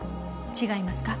違いますか？